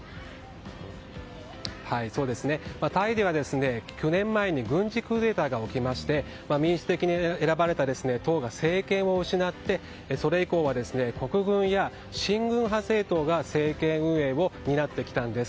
タイでは去年軍事クーデターが起きまして民主的に選ばれた党が政権を失ってそれ以降は、国軍や親軍派政党が政権運営を担ってきたんです。